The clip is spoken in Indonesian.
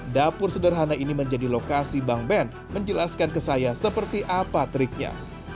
dapur sederhana ini menjadi lokasi bang ben menjelaskan ke saya seperti apa triknya